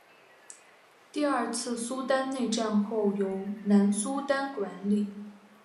第二次苏丹内战后由南苏丹管理。